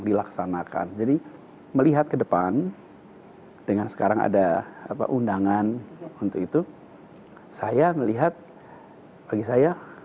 dilaksanakan jadi melihat ke depan dengan sekarang ada apa undangan untuk itu saya melihat bagi saya